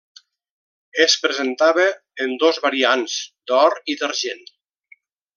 Es presentava en dos variants, d'or i d'argent.